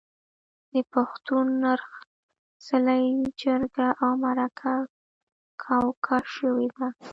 د پښتون نرخ، څلی، جرګه او مرکه کاواکه شوې ده.